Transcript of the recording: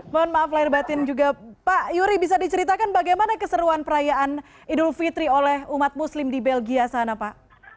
mohon maaf lahir batin juga pak yuri bisa diceritakan bagaimana keseruan perayaan idul fitri oleh umat muslim di belgia sana pak